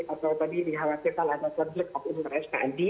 atau tadi dikhawatirkan ada konflik of interest tadi